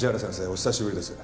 お久しぶりです。